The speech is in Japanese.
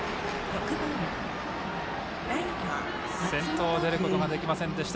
先頭が出ることができませんでした。